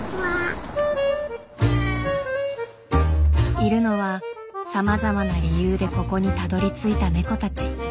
いるのはさまざまな理由でここにたどりついたネコたち。